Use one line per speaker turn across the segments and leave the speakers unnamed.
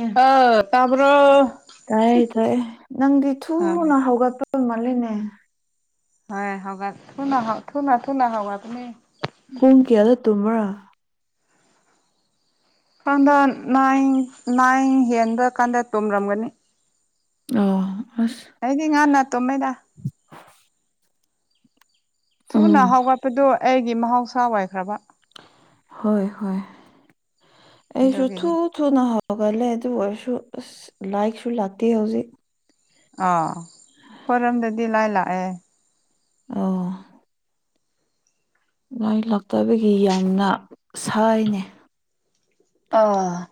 ꯑꯦ
ꯑ ꯇꯥꯕ꯭ꯔꯣ
ꯇꯥꯏꯌꯦ ꯇꯥꯏꯌꯦ ꯅꯪꯗꯤ
ꯑ
ꯊꯨꯅ ꯍꯧꯒꯠꯄ ꯄ ꯃꯥꯜꯂꯦꯅꯦ
ꯍꯣꯏ ꯍꯧꯒꯠ ꯊꯨꯅ ꯊꯨꯅ ꯍꯧꯒꯠꯄꯅꯦ
ꯄꯨꯡ ꯀꯌꯥꯗ ꯇꯨꯝꯕ꯭ꯔꯥ
ꯈꯪꯗꯦ ꯅꯥꯏꯟ ꯅꯥꯏꯟ ꯍꯦꯟꯕꯀꯥꯟꯗ ꯇꯨꯝꯔꯝꯒꯅꯤ
ꯑꯣ ꯑꯁ
ꯑꯩꯗꯤ ꯉꯥꯟꯅ ꯇꯨꯝꯃꯦꯗ
[inaudible]
ꯊꯨꯅ
ꯎꯝ
ꯍꯥꯎꯒꯠꯄꯗꯨ ꯑꯩꯒꯤ ꯃꯍꯧꯁꯥ ꯑꯣꯏꯈ꯭ꯔꯕ
ꯍꯣꯏ ꯍꯣꯏ ꯑꯩꯁꯨ ꯊꯨ
ꯑꯗꯨꯒꯤꯅꯤ
ꯊꯨꯅ ꯍꯧꯒꯠꯂꯦ ꯑꯗꯨ ꯑꯣꯏꯔꯁꯨ ꯑꯁ ꯂꯥꯏꯛꯁꯨ ꯂꯥꯛꯇꯦ ꯍꯧꯖꯤꯛ
ꯑꯥ ꯑꯩꯈꯣꯏꯔꯣꯝꯗꯗꯤ ꯂꯥꯏꯠ ꯂꯥꯛꯑꯦ
ꯑꯣ ꯃꯩ ꯂꯥꯛꯇꯕꯒꯤ ꯌꯥꯝꯅ ꯁꯥꯏꯅꯦ
ꯑꯥ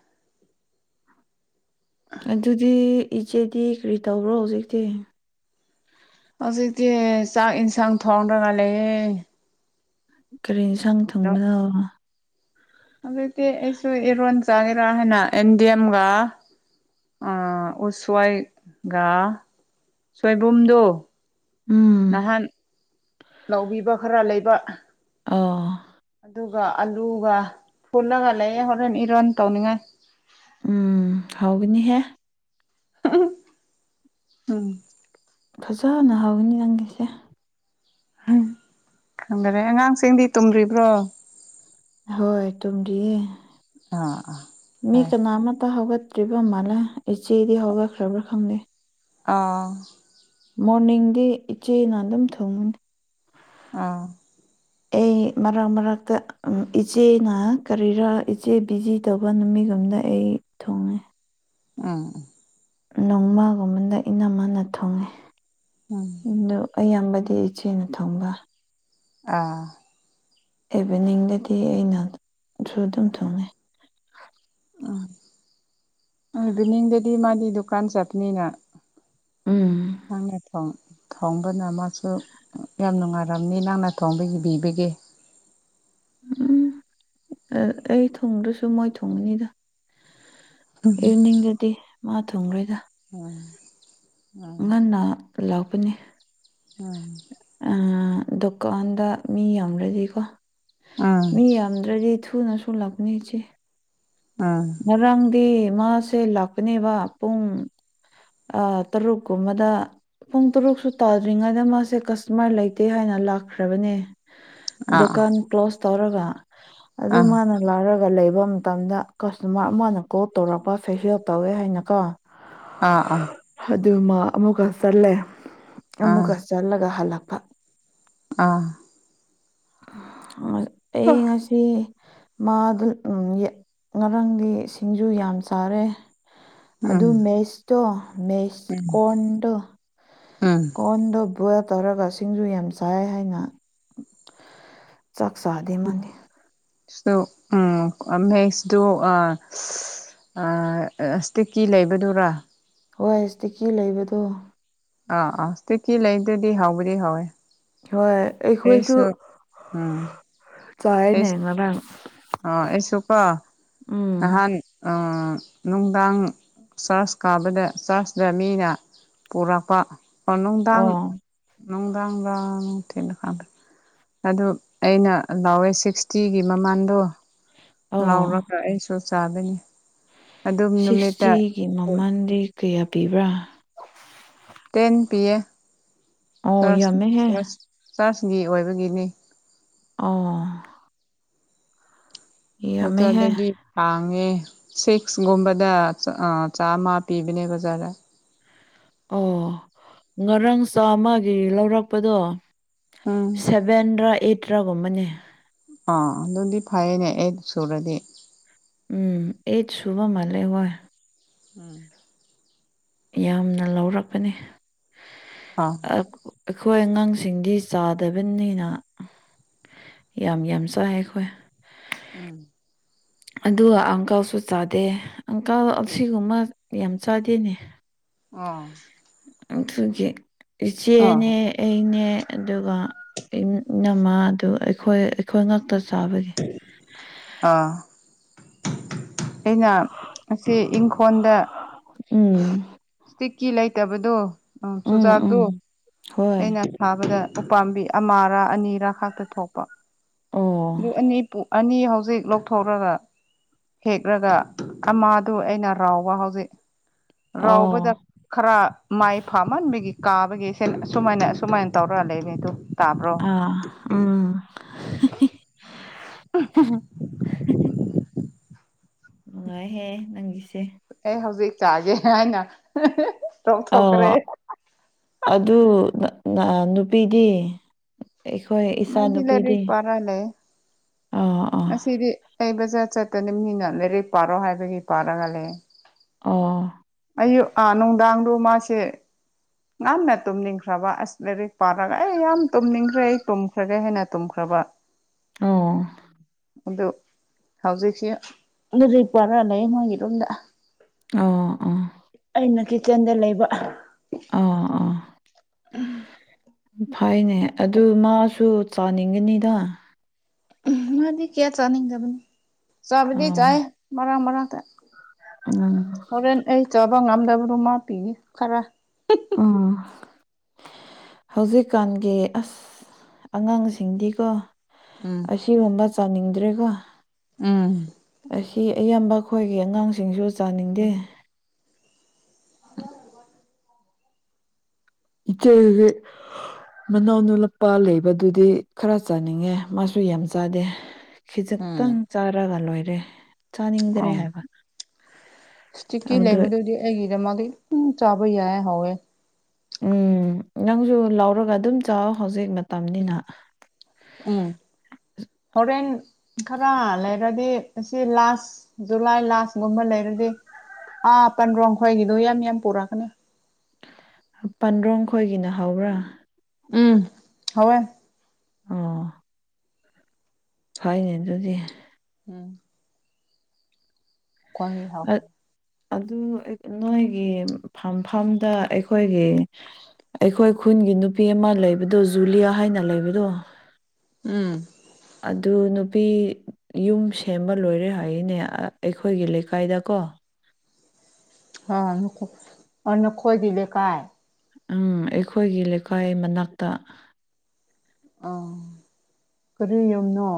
ꯑꯗꯨꯗꯤ ꯏꯆꯦꯗꯤ ꯀ꯭ꯔꯤ ꯇꯧꯕ꯭ꯔꯣ ꯍꯧꯖꯤꯛꯇꯤ
ꯍꯧꯖꯤꯛꯇꯤ ꯆꯥꯛ ꯏꯟꯁꯥꯡ ꯊꯣꯡꯔꯒ ꯂꯩꯌꯦ
ꯀꯔꯤ ꯏꯟꯁꯥꯡ
ꯅꯣ
ꯊꯣꯡꯕꯅꯣ
ꯍꯧꯖꯤꯛꯇꯤ ꯑꯩꯁꯨ ꯏꯔꯣꯟ ꯆꯥꯒꯦꯔꯥ ꯍꯥꯏꯅ ꯑꯦꯟꯗꯦꯝꯒ ꯑꯥ ꯎꯁꯣꯏ ꯒ ꯁꯣꯏꯕꯨꯝꯗꯨ
ꯎꯝ
ꯅꯍꯥꯟ ꯂꯧꯕꯤꯕ ꯈꯥꯔ ꯂꯩꯕ
ꯑꯥ
ꯑꯗꯨꯒ ꯑꯂꯨꯒ ꯐꯨꯠꯂꯒ ꯂꯩꯌꯦ ꯍꯣꯔꯦꯟ ꯏꯔꯣꯟ ꯇꯧꯅꯤꯡꯉꯥꯏ꯫
ꯎꯝ ꯍꯥꯏꯒꯅꯤꯍꯦ꯫
[unintelligible] ꯎꯝ
ꯐꯖꯅ ꯍꯧꯒꯅꯤ ꯅꯪꯒꯤꯁꯦ꯫
ꯎꯝ ꯈꯪꯗꯔꯦ ꯑꯉꯥꯡꯁꯤꯡꯗꯤ ꯇꯨꯝꯗ꯭ꯔꯤꯕ꯭ꯔꯣ?
ꯍꯣꯏ ꯇꯨꯝꯗꯤꯌꯦ
ꯑꯥ ꯑꯥ
ꯃꯤ
ꯍꯣꯏ
ꯀꯅꯥ ꯑꯃꯠꯇ ꯍꯧꯒꯠ ꯕ ꯃꯥꯜꯂꯦ ꯏꯆꯦꯗꯤ ꯍꯧꯒꯠꯈ꯭ꯔꯕ꯭ꯔꯥ ꯈꯪꯗꯦ꯫
ꯑꯥ
ꯃꯣꯔꯅꯤꯡꯗꯤ ꯏꯆꯦꯅ ꯑꯗꯨꯝ ꯊꯨꯡꯕꯅꯤ꯫
ꯑꯥ
ꯑꯩ ꯃꯔꯛ ꯃꯔꯛꯇ ꯎꯝ ꯏꯆꯦꯅ ꯀꯔꯤꯔꯥ ꯏꯆꯦ ꯕꯤꯖꯤ ꯇꯧꯕ ꯅꯨꯃꯤꯠꯒꯨꯝꯗ ꯑꯩ ꯊꯣꯡꯉꯦ꯫
ꯎꯝ
ꯅꯣꯡꯃꯒꯨꯝꯕꯅ ꯏꯅꯝꯃꯅ ꯊꯣꯡꯉꯦ꯫
ꯎꯝ
ꯑꯗꯨ ꯑꯌꯥꯝꯕꯗꯤ ꯏꯆꯦꯅ ꯊꯣꯡꯕ꯫
ꯑꯥ
ꯏꯚꯤꯅꯤꯡꯗꯗꯤ ꯑꯩꯅ ꯁꯨ ꯑꯗꯨꯝ ꯊꯣꯡꯉꯦ꯫
ꯎꯝ ꯏꯚꯤꯅꯤꯡꯗꯗꯤ ꯃꯥꯗꯤ ꯗꯨꯀꯥꯟ ꯆꯠꯄꯅꯤꯅ
ꯎꯝ
ꯅꯪꯅ ꯊꯣꯡ ꯊꯣꯡꯕꯅ ꯃꯥꯁꯨ ꯌꯥꯝ ꯅꯨꯡꯉꯥꯏꯔꯝꯅꯤ ꯅꯪꯅ ꯊꯣꯡꯕ ꯍꯩꯕꯤꯕꯒꯤ꯫
ꯎꯝ ꯑ ꯑꯩ ꯊꯣꯡꯗ꯭ꯔꯁꯨ ꯃꯣꯏ ꯊꯣꯡꯕꯅꯤꯗ꯫ ꯏꯚꯤꯅꯤꯡꯗꯗꯤ ꯃꯥ ꯊꯣꯡꯔꯣꯏꯗ꯫
ꯎꯝ ꯎꯝ
ꯉꯟꯅ ꯍꯂꯛꯄꯅꯦ
ꯎꯝ
ꯑꯥ ꯗꯨꯀꯥꯟꯗ ꯃꯤ ꯌꯥꯝꯔꯗꯤꯀꯣ
ꯎꯝ
ꯃꯤ ꯌꯥꯝꯗ ꯔꯤ ꯊꯨꯅꯁꯨ ꯂꯛꯄꯅꯤ ꯏꯆꯦ
ꯑꯥ
ꯉꯔꯥꯡꯗꯤ ꯃꯥꯁꯦ ꯂꯥꯛꯄꯅꯦꯕ ꯄꯨꯡ ꯑꯥ ꯇꯔꯨꯛ ꯀꯨꯝꯕꯗ ꯄꯨꯡ ꯇꯔꯨꯛꯁꯨ ꯇꯥꯗ꯭ꯔꯤꯉꯩꯗ ꯃꯥꯁꯦ ꯀꯁꯇꯃꯔ ꯂꯩꯇꯦ ꯍꯥꯏꯅ ꯂꯥꯛꯈ꯭ꯔꯕꯅꯦ꯫
ꯑꯥ
ꯗꯨꯀꯥꯟ ꯀ꯭ꯂꯣꯁ ꯇꯧꯔꯒ ꯑꯗꯨ
ꯑꯥ
ꯃꯥꯅ ꯂꯥꯛꯔꯒ ꯂꯩꯕ ꯃꯇꯝꯗ ꯀꯁꯇꯃꯔ ꯑꯃꯅ ꯀꯣꯜ ꯇꯧꯔꯛꯄ ꯐꯦꯁꯌꯦꯜ ꯇꯧꯋꯦ ꯍꯥꯏꯅꯀꯣ
ꯑꯥ ꯑꯥ
ꯑꯗꯨꯃꯥ ꯑꯃꯨꯛꯀ ꯆꯠꯂꯦ
ꯑꯥ
ꯑꯃꯨꯛꯀ ꯆꯠꯂꯒ ꯍꯂꯛꯄ꯫
ꯑꯥ
ꯍꯣꯏ ꯑꯩ ꯉꯁꯤ ꯃꯥꯗꯨ ꯎꯝ ꯌ ꯉꯔꯥꯡꯗꯤ ꯁꯤꯡꯖꯨ ꯌꯥꯝ ꯆꯥꯔꯦ꯫ ꯑꯗꯨ
ꯎꯝ
ꯃꯦꯁꯇꯣ ꯃꯦꯁ
ꯎꯝ ꯑꯥ
ꯑꯣꯟꯗꯣ ꯕꯣꯏꯜ ꯇꯧꯔꯒ ꯁꯤꯡꯖꯨ ꯌꯥꯝ ꯆꯥꯏ ꯍꯥꯏꯅ ꯆꯥꯛ ꯆꯥꯗꯦ ꯃꯥꯗꯤ
ꯁꯣ ꯎꯝ ꯑꯃꯦꯛꯁꯗꯣ ꯑꯥ ꯑꯥ ꯁ꯭ꯇꯤꯛꯀꯤ ꯂꯩꯕꯗꯨꯔꯥ
ꯍꯣꯏ ꯁ꯭ꯇꯤꯛꯀꯤ ꯂꯩꯕꯗꯣ
ꯑꯥ ꯑꯥ ꯁ꯭ꯇꯤꯛꯀꯤ ꯂꯩꯕꯗꯨꯗꯤ ꯍꯧꯕꯗꯤ ꯍꯥꯎꯋꯦ
ꯍꯣꯏ ꯑꯩꯈꯣꯏꯁꯨ
ꯀꯔꯤꯁꯨ ꯑꯥ
ꯆꯥꯏꯌꯦꯅꯦ ꯉꯔꯥꯡ
ꯑꯣ ꯑꯩꯁꯨ ꯀꯣ
ꯎꯝ
ꯅꯍꯥꯟ ꯑꯥ ꯅꯨꯡꯗꯥꯡ ꯆ꯭ꯔꯁ ꯀꯥꯕꯗ ꯆ꯭ꯔꯁꯗ ꯃꯤꯅ ꯄꯨꯔꯥꯛꯄ ꯅꯨꯡꯗꯥꯡ
ꯑꯣ
ꯅꯨꯡꯗꯥꯡꯔ ꯅꯨꯡꯊꯤꯜꯂ ꯈꯪꯗꯦ ꯑꯗꯨ ꯑꯩꯅ ꯂꯥꯎꯋꯦ ꯁꯤꯛꯁꯇꯤꯒꯤ ꯃꯃꯥꯟꯗꯣ
ꯑꯣ
ꯂꯥꯎꯔꯒ ꯑꯩꯁꯨ ꯆꯥꯗꯣꯏꯅꯤ
ꯁꯤꯛꯁꯇꯤꯒꯤ ꯃꯥꯃꯟꯗꯤ ꯀꯌꯥ ꯄꯤꯕ꯭ꯔꯥ
ꯇꯦꯟ ꯄꯤ ꯌꯦ
ꯑꯣ
ꯆ꯭ꯔꯁ
ꯌꯥꯝꯃꯦꯍꯦ
ꯆ꯭ꯔꯁ ꯆ꯭ꯔꯁꯒꯤ ꯑꯣꯏꯕꯒꯤꯅꯤ
ꯑꯣ ꯌꯥꯝꯃꯦꯍꯦ
ꯕꯖꯥꯔꯗꯗꯤ ꯇꯥꯡꯉꯦ ꯁꯤꯛꯁꯒꯨꯝꯕꯗ ꯆꯥ ꯆꯥꯝꯃ ꯄꯤꯕꯅꯦ ꯕꯖꯥꯔꯗ
ꯑꯣ ꯉꯔꯥꯡ ꯆꯥꯝꯃꯒꯤ ꯂꯧꯔꯛꯄꯗꯣ
ꯎꯝ
ꯁꯚꯦꯟꯔ ꯑꯦꯠꯔ ꯒꯨꯝꯕꯅꯦ
ꯑꯥ ꯑꯗꯨꯗꯤ ꯐꯩꯌꯦꯅꯦ ꯑꯦꯠ ꯁꯨꯔꯗꯤ
ꯎꯝ ꯑꯦꯠ ꯁꯨꯕ ꯃꯥꯜꯂꯦ ꯍꯣꯏ
ꯎꯝ
ꯌꯥꯝꯅ ꯂꯧꯔꯛꯄꯅꯦ
ꯑꯥ
ꯑꯥ ꯑꯩꯈꯣꯏ ꯑꯉꯥꯡꯁꯤꯡꯗꯤ ꯆꯥꯗꯕꯅꯤꯅ ꯌꯥꯝ ꯌꯥꯝ ꯆꯥꯏ ꯑꯩꯈꯣꯏ
ꯎꯝ
ꯑꯗꯨꯒ ꯑꯪꯀꯜꯁꯨ ꯆꯥꯗꯦ ꯑꯪꯀꯜ ꯑꯁꯤꯒꯨꯝꯕ ꯌꯥꯝ ꯆꯥꯗꯦꯅꯦ
ꯑꯣ
ꯑꯗꯨꯒꯤ
ꯑꯥ
ꯏꯆꯦꯅꯦ ꯑꯩꯅꯦ ꯑꯗꯨꯒ ꯏꯅꯝꯃ ꯗꯨ ꯑꯩꯈꯣꯏ ꯑꯩꯈꯣꯏ ꯉꯥꯛꯇ ꯆꯥꯕꯒꯤ
ꯑꯥ ꯑꯩꯅ ꯑꯁꯤ ꯏꯪꯈꯣꯟꯗ
ꯎꯝ
ꯁ꯭ꯇꯤꯛꯀꯤ ꯂꯩꯇꯕꯗꯣ ꯎꯝ ꯆꯨꯖꯥꯛꯗꯣ
ꯍꯣꯏ
ꯑꯩꯅ ꯊꯥꯕꯗ ꯎꯄꯥꯝꯕꯤ ꯑꯃꯔꯥ ꯑꯅꯤꯔꯥ ꯈꯥꯛꯇ ꯊꯣꯛꯄ
ꯑꯣ
ꯑꯗꯨ ꯄꯨ ꯑꯅꯤ ꯑꯅꯤ ꯍꯧꯖꯤꯛ ꯂꯧꯊꯣꯛꯔꯒ ꯍꯦꯛꯂꯒ ꯑꯃꯗꯨ ꯑꯩꯅ ꯔꯥꯎꯕ ꯍꯧꯖꯤꯛ
ꯑꯣ
ꯔꯥꯎꯕꯗ ꯈꯔ ꯃꯥꯏ ꯐꯥꯃꯟꯕꯒꯤ ꯀꯥꯕꯒꯤ ꯑꯁꯨꯃꯥꯏꯅ ꯑꯁꯨꯃꯥꯏꯅ ꯇꯧꯔ ꯂꯩꯔꯦꯇꯨ ꯇꯥꯕ꯭ꯔꯣ
ꯑꯥ ꯎꯝ
[unintelligible]
ꯅꯨꯡꯉꯥꯏꯍꯦ ꯅꯪꯒꯤꯁꯦ
ꯑꯩ ꯍꯧꯖꯤꯛ ꯆꯥꯒꯦ ꯍꯥꯏꯅ [unintelligible] ꯇꯧꯊꯣꯛꯈ꯭ꯔꯦ
ꯑ ꯑꯗꯨ ꯑ ꯥꯑꯥ ꯅꯨꯄꯤꯗꯤ ꯑꯩꯈꯣꯏ ꯏꯆꯥ
ꯃꯗꯤ ꯂꯥꯏꯔꯤꯛ ꯄꯔꯥ ꯂꯩꯌꯦ
ꯑꯣ
ꯉꯁꯤꯗꯤ ꯑꯩ ꯕꯖꯥꯔ ꯆꯠꯇꯕꯅꯤꯅ ꯂꯥꯏꯔꯤꯛ ꯄꯥꯔꯣ ꯍꯥꯏꯕꯒꯤ ꯄꯥꯔꯒ ꯂꯩꯌꯦ
ꯑꯣ
ꯑꯌꯨꯛ ꯑꯥ ꯅꯨꯡꯗꯥꯡꯗꯣ ꯃꯥꯁꯦ ꯉꯟꯅ ꯇꯨꯝꯅꯤꯡꯈ꯭ꯔꯕ ꯑꯁ ꯂꯥꯏꯔꯤꯛ ꯄꯥꯔꯒ ꯑꯩ ꯌꯥꯝ ꯇꯨꯝꯅꯤꯡꯈ꯭ꯔꯦ ꯑꯩ ꯇꯨꯝꯈ꯭ꯔꯒꯦ ꯍꯥꯏꯅ ꯇꯨꯝꯈ꯭ꯔꯕ
ꯑꯣ
ꯑꯗꯨ ꯍꯧꯖꯤꯛꯁꯤ [unintelligible]
ꯑꯧ ꯑꯣꯥ
ꯑꯩꯅ ꯀꯤꯠꯆꯟꯗ ꯂꯩꯕ
ꯑꯥ ꯑꯥ ꯐꯩꯅꯦ ꯑꯗꯨ ꯃꯥꯁꯨ ꯆꯥꯅꯤꯡꯒꯅꯤꯗ
[unintelligible] ꯃꯗꯤ ꯀꯌꯥ ꯆꯅꯤꯡꯗꯕꯅꯦ ꯆꯕꯗꯤ
ꯑꯥ
ꯆꯥꯏ ꯃꯔꯛ ꯃꯔꯛꯇ
ꯎꯝ
ꯍꯣꯔꯦꯟ ꯑꯩ ꯆꯥꯕ ꯉꯝꯗꯕꯗꯨ ꯃꯥ ꯄꯤꯒꯦ ꯈꯔ
ꯎꯝ ꯍꯧꯖꯤꯛꯀꯥꯟꯒꯤ ꯑꯁ ꯑꯉꯥꯡꯁꯤꯡꯗꯤꯀꯣ
ꯎꯝ
ꯑꯁꯤꯒꯨꯝꯕ ꯆꯥꯅꯤꯡꯗ꯭ꯔꯦꯀꯣ
ꯎꯝ
ꯑꯁ ꯃꯤ ꯑꯌꯥꯝꯕ ꯑꯩꯈꯣꯏꯒꯤ ꯑꯉꯥꯡꯁꯤꯡꯁꯨ ꯆꯥꯅꯤꯡꯗꯦ ꯏꯆꯦꯒꯤ ꯃꯅꯥꯎ ꯅꯨꯂꯛꯄꯥ ꯂꯩꯕꯗꯨꯗꯤ ꯈꯔ ꯆꯥꯅꯤꯡꯉꯦ ꯃꯥꯁꯨ ꯌꯥꯝ ꯆꯥꯗꯦ
ꯎꯝ
ꯈꯤꯖꯤꯛꯇꯪ ꯆꯥꯔꯒ ꯂꯣꯏꯔꯦ ꯆꯥꯅꯤꯡꯗ꯭ꯔꯦ
ꯑꯪ
ꯍꯥꯏꯕ
ꯏꯁꯇꯤꯛꯀꯤ
ꯑꯗꯨ
ꯂꯩꯕꯗꯨꯗꯤ ꯑꯩꯒꯤꯗ ꯃꯗꯤ ꯈꯤꯇꯪ ꯆꯥꯕ ꯌꯥꯏ ꯍꯥꯎꯋꯦ
ꯎꯝ ꯅꯪꯁꯨ ꯂꯧꯔꯒ ꯑꯗꯨꯝ ꯆꯥꯎ ꯍꯧꯖꯤꯛ ꯃꯇꯝꯅꯤꯅ
ꯎꯝ ꯎꯝ ꯍꯣꯔꯦꯟ ꯈꯔ ꯂꯩꯔꯗꯤ ꯁꯤ ꯂꯥꯁ ꯖꯨꯂꯥꯏ ꯂꯥꯁꯒꯨꯝꯕ ꯂꯩꯔꯗꯤ ꯑꯥ ꯄꯟꯔꯣꯡ ꯈꯣꯏꯒꯤꯗꯣ ꯌꯥꯝ ꯌꯥꯝ ꯄꯨꯔꯛꯀꯅꯤ
ꯄꯟꯗ꯭ꯔꯣꯡ ꯈꯣꯏꯒꯤꯅ ꯍꯧꯕ꯭ꯔꯥ
ꯎꯝ ꯍꯥꯎꯋꯦ
ꯑꯣ ꯐꯩꯅꯦ ꯑꯗꯨꯗꯤ
[inaudible] [unintelligible]
ꯑꯗꯨ ꯅꯣꯏꯒꯤ ꯐꯝꯐꯝꯗ ꯑꯩꯈꯣꯏꯒꯤ ꯑꯩꯈꯣꯏ ꯈꯨꯟꯒꯤ ꯅꯨꯄꯤ ꯑꯃ ꯂꯩꯕꯗꯨ ꯖꯨꯂꯤꯌꯥ ꯍꯥꯏꯅ ꯂꯩꯕꯗꯨ
ꯎꯝ
ꯑꯗꯨ ꯅꯨꯄꯤ ꯌꯨꯝ ꯁꯦꯝꯕ ꯂꯣꯏꯔꯦ ꯍꯥꯏꯌꯦꯅꯦ ꯑꯩꯈꯣꯏꯒꯤ ꯂꯩꯀꯥꯏꯗꯀꯣ
[unintelligible] ꯅꯈꯣꯏꯒꯤ ꯂꯩꯀꯥꯏ
ꯎꯝ ꯑꯩꯈꯣꯏꯒꯤ ꯂꯩꯀꯥꯏ ꯃꯅꯥꯛꯇ
ꯑꯥ ꯀꯔꯤ ꯌꯨꯝꯅꯣ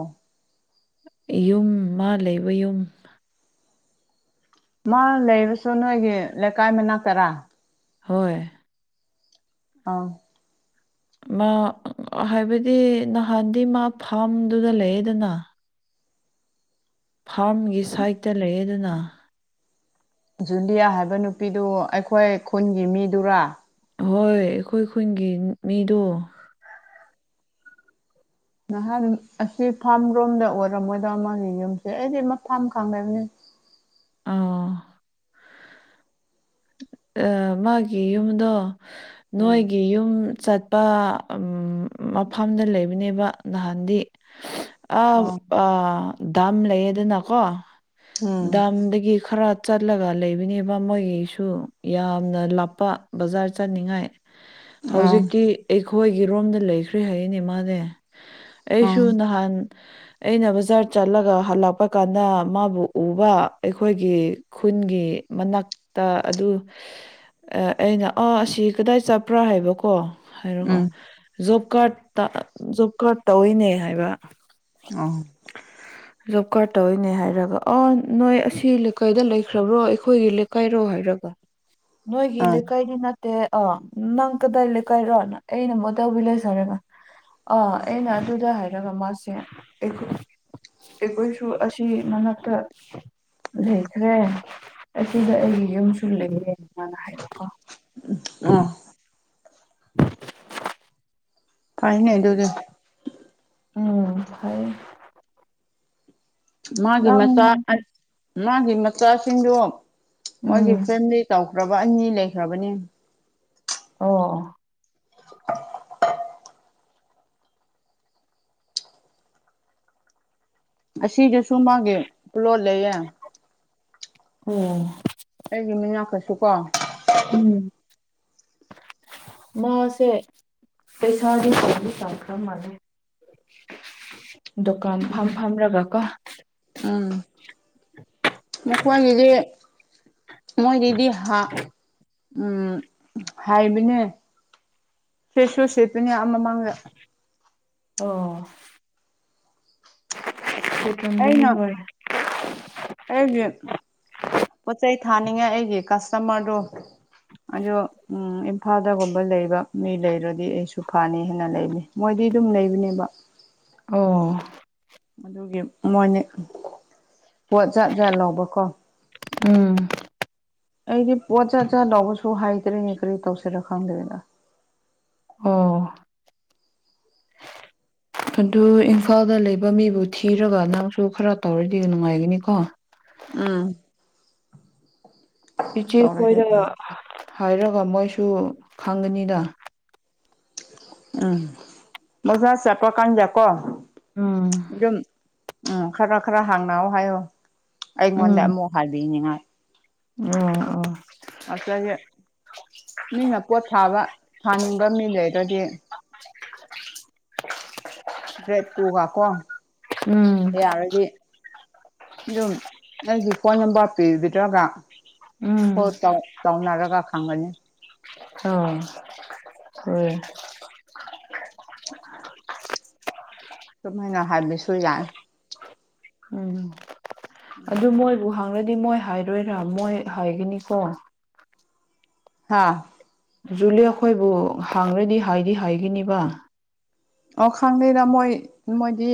ꯌꯨꯝ ꯃꯥ ꯂꯩꯕ ꯌꯨꯝ
ꯃꯥ ꯂꯩꯔꯁꯨ ꯅꯣꯏꯒꯤ ꯂꯩꯀꯥꯏ ꯃꯅꯥꯛꯇꯔꯥ
ꯍꯣꯏ
ꯑꯧ
ꯃꯥ ꯍꯥꯏꯕꯗꯤ ꯅꯍꯥꯟꯗꯤ ꯃꯥ ꯐꯝꯗꯨꯗ ꯂꯩꯌꯦꯗꯅ ꯐꯝꯒꯤ ꯁꯥꯏꯠꯇ ꯂꯩ ꯌꯦꯗꯅ
ꯖꯨꯂꯤꯌꯥ ꯍꯥꯏꯕ ꯅꯨꯄꯤꯗꯨ ꯑꯩꯈꯣꯏ ꯈꯨꯟꯒꯤ ꯃꯤꯗꯨꯔꯥ
ꯍꯣꯏ ꯑꯩꯈꯣꯏ ꯈꯨꯟꯒꯤ ꯃꯤꯗꯣ
ꯅꯍꯥꯟ ꯑꯁꯤ ꯐꯥꯝ ꯔꯣꯝꯗ ꯑꯣꯏꯔꯝꯃꯣꯏꯗ ꯃꯥꯒꯤ ꯌꯨꯝꯁꯦ ꯑꯩꯗꯤ ꯃꯐꯝ ꯈꯪꯗꯕꯅꯤ
ꯑꯥ ꯑꯥ ꯃꯥꯒꯤ ꯌꯨꯝꯗꯣ
ꯎꯝ
ꯅꯣꯏꯒꯤ ꯌꯨꯝ ꯆꯠꯄ ꯃꯐꯝꯗ ꯂꯩꯕꯅꯦꯕ ꯅꯍꯥꯟꯗꯤ ꯑꯥ
ꯑꯣ
ꯑꯥ ꯗꯥꯝ ꯂꯩꯌꯦꯗꯅꯀꯣ
ꯎꯝ
ꯗꯥꯝꯗꯒꯤ ꯈꯔ ꯆꯠꯂꯒ ꯂꯩꯕꯅꯦꯕ ꯃꯣꯏꯒꯤꯁꯨ ꯌꯥꯝꯅ ꯂꯥꯞꯄ ꯕꯖꯥꯔ ꯆꯠꯅꯤꯡꯉꯥꯏ
ꯑꯣ
ꯍꯧꯖꯤꯛꯇꯤ ꯑꯩꯈꯣꯏꯒꯤ ꯔꯣꯝꯗ ꯂꯩꯈ꯭ꯔꯦ ꯍꯥꯏꯅꯦ ꯃꯥꯅꯦ
ꯑꯣ
ꯑꯩꯁꯨ ꯅꯍꯥꯟ ꯑꯩꯅ ꯕꯖꯥꯔ ꯆꯠꯂꯒ ꯍꯜꯂꯛꯄ ꯀꯥꯟꯗ ꯃꯥꯕꯨ ꯎꯕ ꯑꯩꯈꯣꯏꯒꯤ ꯈꯨꯟꯒꯤ ꯃꯅꯥꯛ ꯇ ꯑꯗꯨ ꯑꯩꯅ ꯑꯥ ꯑꯁꯤ ꯀꯗꯥꯏ ꯆꯠꯄ꯭ꯔꯥ ꯍꯥꯏꯕꯀꯣ ꯍꯥꯏꯔꯣꯀꯣ
ꯎꯝ
ꯖꯣꯕ ꯀꯥꯔꯠꯇ ꯖꯣꯕ ꯀꯥꯔꯠ ꯇꯧꯋꯤꯅꯦ ꯍꯥꯏꯕ
ꯑꯣ
[inaudible] ꯖꯣꯛ ꯀꯥꯔ ꯇꯧꯏꯅꯦ ꯍꯥꯏꯔꯒ ꯑꯣ ꯅꯣꯏ ꯑꯁꯤ ꯂꯩꯀꯩꯗ ꯂꯩꯈ꯭ꯔꯕ꯭ꯔꯣ ꯑꯩꯈꯣꯏꯒꯤ ꯂꯩ ꯀꯣꯏꯔꯣ ꯍꯥꯏꯔꯒ ꯅꯣꯏꯒꯤ
ꯑꯥ
ꯂꯩꯀꯥꯏꯗꯤ ꯅꯠ ꯇꯦ ꯑ ꯅꯪ ꯀꯗꯥꯏ ꯂꯩꯀꯥꯏꯔꯅ ꯑꯩꯅ ꯃꯣꯇꯥꯎ ꯚꯤꯂꯦꯁ ꯍꯥꯏꯔꯒ ꯑꯥ ꯑꯩꯅ ꯑꯗꯨꯗ ꯍꯥꯏꯔꯒ ꯃꯥꯁꯦ ꯑꯩꯈ ꯑꯩꯈꯣꯏꯁꯨ ꯑꯁꯤ ꯃꯅꯥꯛꯇ ꯂꯩꯈ꯭ꯔꯦ ꯗꯨꯗ ꯑꯩꯒꯤ ꯌꯨꯝꯁꯨ ꯂꯩꯌꯦ ꯃꯥꯅ ꯍꯥꯏꯕꯀꯣ
ꯎꯝ ꯑ
[inaudible]
ꯐꯩꯅꯦ
ꯑꯗꯨ
ꯑꯗꯨꯗꯤ
ꯎꯝ ꯐꯩ
ꯃꯥꯒꯤ
ꯅꯪ
ꯃꯆꯥ ꯃꯥꯒꯤ ꯃꯆꯥꯁꯤꯡꯗꯨ ꯃꯣꯏꯒꯤ
ꯎꯝ
ꯐꯦꯃꯤꯂꯤ ꯇꯧ ꯔꯣꯕ ꯑꯅꯤ ꯂꯩꯈ꯭ꯔꯕꯅꯤ
ꯑꯣ
ꯑꯁꯤꯗꯁꯨ ꯃꯥꯒꯤ ꯂꯣꯜꯂꯩꯌꯦ
ꯑꯣ
ꯑꯩꯒꯤ ꯃꯤꯅꯥꯛꯇꯁꯨꯀꯣ
ꯎꯝ ꯃꯥꯁꯦ ꯄꯩꯁꯥꯗꯤ ꯄꯥꯏꯗꯤ ꯄꯥꯏꯈ꯭ꯔꯕ ꯃꯥꯥꯜꯂꯦ ꯗꯨꯀꯥꯟ ꯐꯝ ꯐꯝꯔꯒ ꯀꯣ
ꯑꯥ ꯃꯈꯣꯏꯒꯤꯗꯤ ꯃꯣꯏꯒꯤꯗꯤ ꯍ ꯎꯝ ꯍꯥꯏꯕꯅꯦ ꯁꯤꯠꯁꯨ ꯁꯤꯠꯄꯅꯦ ꯑꯥ ꯃꯃꯥꯡꯗ
ꯑꯣ [unintelligible]
ꯑꯩꯅ
ꯍꯣꯏ
ꯑꯩꯒꯤ ꯄꯣꯠ ꯆꯩ ꯊꯥꯅꯤꯡꯉꯥꯏ ꯑꯩꯒꯤ ꯀꯁꯇꯃ꯭ꯔꯗꯣ ꯑꯗꯣ ꯎꯝ ꯏꯝꯐꯥꯜꯗꯒꯨꯝꯕ ꯂꯩ ꯃꯤ ꯂꯩꯔꯗꯤ ꯑꯩꯁꯨ ꯐꯅꯤ ꯍꯥꯏꯅ ꯂꯩꯅꯤ ꯃꯣꯏꯗꯤ ꯑꯗꯨꯝ ꯂꯩꯕꯅꯦꯕ
ꯑꯣ
ꯑꯗꯨꯒꯤ ꯃꯣꯏꯅ ꯄꯣꯠ ꯖꯥꯠ ꯖꯥꯠ ꯂꯧꯕꯀꯣ
ꯎꯝ
ꯑꯩꯗꯤ ꯄꯣꯠ ꯖꯥꯠ ꯖꯥꯠ ꯂꯧꯕꯁꯨ ꯍꯥꯏꯗ꯭ꯔꯦꯅꯦ ꯀꯔꯤ ꯇꯧꯁꯤꯔꯣ ꯈꯪꯗꯦꯗ
ꯑꯣ ꯑꯗꯨ ꯏꯝꯐꯥꯜꯗ ꯂꯩꯕ ꯃꯤꯕꯨ ꯊꯤꯔꯒ ꯅꯪꯁꯨ ꯈꯔ ꯇꯧꯔꯗꯤ ꯅꯨꯡꯉꯥꯏꯒꯅꯤꯀꯣ
ꯎꯝ
ꯏꯆꯦ
ꯇꯧꯔꯗꯤ
ꯈꯣꯏꯗ ꯍꯥꯏꯔꯒ ꯃꯣꯏꯁꯨ ꯈꯪꯒꯅꯤꯗ
ꯎꯝ ꯃꯖꯥ ꯆꯄꯀꯥꯟꯗꯀꯣ
ꯎꯝ
ꯑꯗꯨꯝ ꯎꯝ ꯈꯔ ꯈꯔ ꯍꯥꯡꯅꯥꯎ ꯍꯥꯏꯌꯣ ꯑꯩꯉꯣꯟꯗ
ꯎꯝ
ꯑꯃꯨꯛ ꯍꯥꯏꯕꯤꯅꯤꯡꯉꯥꯏ
ꯑꯣ ꯑꯣ
ꯉꯁꯥꯏꯒꯤ ꯃꯤꯅ ꯄꯣꯠ ꯊꯥꯕ ꯊꯥꯅꯤꯡꯕ ꯃꯤ ꯂꯩꯔꯤ ꯔꯗꯤ ꯔꯦꯗ ꯇꯨꯒ ꯀꯣ
ꯎꯝ
ꯌꯥꯔꯗꯤ ꯑꯗꯨꯝ ꯅꯪꯒꯤ ꯐꯣꯟ ꯅꯝꯕꯔ ꯄꯤꯕꯤꯗ꯭ꯔꯒ
ꯎꯝ
ꯐꯣꯜ ꯇꯧ ꯇꯧꯅꯔꯒ ꯈꯪꯒꯅꯤ
ꯑꯣ ꯔꯦ
ꯑꯗꯨꯃꯥꯏꯅ ꯍꯥꯏꯕꯁꯨ ꯌꯥꯏ
ꯎꯝ ꯑꯗꯨ ꯃꯣꯏꯕꯨ ꯍꯥꯡꯅꯗꯤ ꯃꯣꯏ ꯍꯥꯏꯔꯣꯏꯔꯥ ꯃꯣꯏ ꯍꯥꯏꯒꯅꯤꯀꯣ
ꯍꯥꯥ
ꯖꯨꯂꯦ ꯈꯣꯏꯕꯨ ꯍꯥꯡꯈ꯭ꯔꯗꯤ ꯍꯥꯏꯗꯤ ꯍꯥꯏꯒꯅꯤꯕ
ꯑ ꯈꯪꯗꯩꯔ ꯃꯣꯏ ꯃꯣꯏꯗꯤ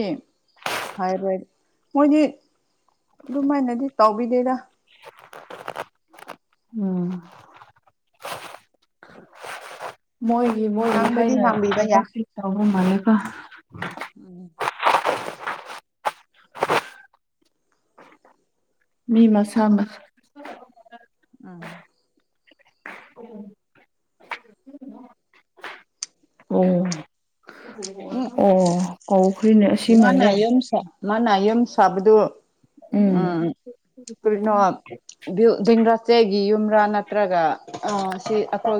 ꯍꯥꯏꯔꯣꯏ ꯃꯣꯏꯗꯤ ꯑꯗꯨꯃꯥꯏꯅꯗꯤ ꯇꯥꯎꯕꯤꯗꯦꯗꯥ
ꯎꯝ ꯃꯣꯏꯒꯤ ꯃꯣꯏꯒꯤ
ꯍꯥꯡꯕꯗꯤ
ꯍꯥꯏꯅ
ꯍꯥꯡꯕꯤꯕ ꯌꯥꯏ
ꯍꯟꯗꯛꯇꯤ ꯇꯧꯕ ꯃꯥꯜꯂꯦꯀꯣ
ꯎꯝ
ꯃꯤ ꯃꯁꯥꯃ
ꯑ
ꯑꯣ
ꯎꯝ
ꯑꯣ ꯀꯧꯈ꯭꯭ꯔꯦꯅꯦ ꯑꯁꯤ ꯃꯥꯜꯂꯦ
ꯃꯅ ꯌꯨꯝ ꯁꯥꯕꯗꯨ ꯎꯝ ꯀ꯭ꯔꯤꯅꯣ ꯕ꯭ꯌꯨ ꯗꯦꯡꯒ꯭ꯔꯥꯁꯆꯦꯒꯤ ꯌꯨꯝꯔꯥ ꯅꯇꯔꯒ ꯑ ꯁꯤ ꯑꯈꯣꯏꯒꯤ